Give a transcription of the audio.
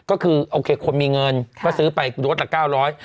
ก็คือโอเคคนมีเงินก็ซื้อไปโดสละ๙๐๐บาท